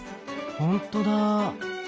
ほんとだ。